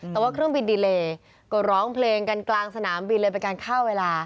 แต่ว่าเครื่องบินดีเลก็ร้องเพลงกันกลางสนามบินเลยเป็นการเข้าเวลา